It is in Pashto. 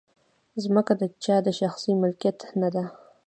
مځکه د چا د شخصي ملکیت نه ده.